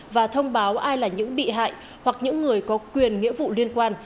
và thông báo ai là những bị hại hoặc những người có quyền nghĩa vụ liên quan